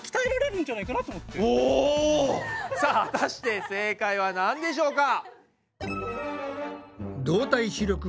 さあ果たして正解はなんでしょうか？